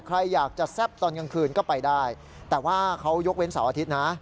ใครอยากจะแซ่บตอนกลางคืนก็ไปได้แต่ว่าเขายกเว้นเสาร์อาทิตย์นะ